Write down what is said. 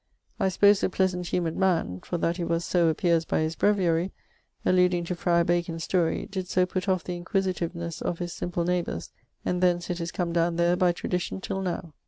I suppose the pleasant humoured man for that he was so appeares by his breviary alludeing to Frier Bacon's story, did so put off the inquisitivenes of his simple neighbours, and thence it is come down there by tradition till now.